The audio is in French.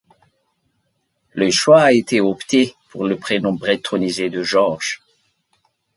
Le choix a été opté pour le prénom bretonnisé de Georges.